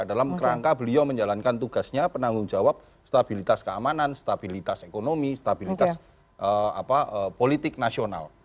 dalam kerangka beliau menjalankan tugasnya penanggung jawab stabilitas keamanan stabilitas ekonomi stabilitas politik nasional